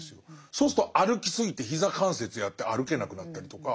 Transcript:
そうすると歩き過ぎて膝関節やって歩けなくなったりとか。